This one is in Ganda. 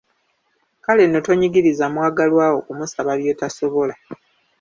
Kale nno tonyigiriza mwagalwa wo kumusaba by’atasobola.